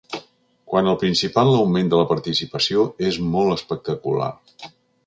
Quant al Principat l’augment de la participació és molt espectacular.